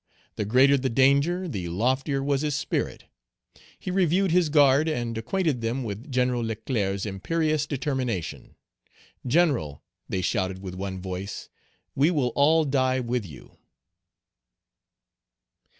The greater the danger the loftier was his spirit; he reviewed his guard, and acquainted them with General Leclerc's imperious determination. "General," they shouted with one voice, "we will all die with you."